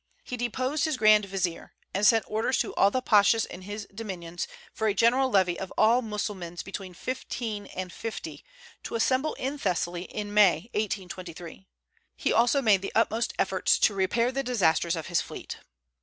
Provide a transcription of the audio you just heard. He deposed his grand vizier, and sent orders to all the pashas in his dominions for a general levy of all Mussulmans between fifteen and fifty, to assemble in Thessaly in May, 1823. He also made the utmost efforts to repair the disasters of his fleet.